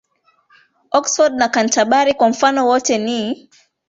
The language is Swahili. Oxford na Canterbury kwa mfano wote ni